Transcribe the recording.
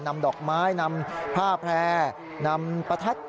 นำดอกไม้นำผ้าแพร่นำประทัด